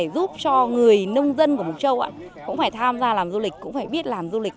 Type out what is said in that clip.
giúp cho người nông dân của mộc châu cũng phải tham gia làm du lịch cũng phải biết làm du lịch